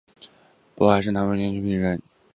勃海郡南皮县人。